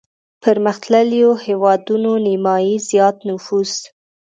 پرمختلليو هېوادونو نيمايي زيات نفوس